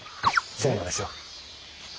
そうなんですよ。